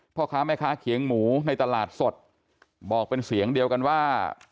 พ่อค้าแม่ค้าเขียงหมูในตลาดสดบอกเป็นเสียงเดียวกันว่า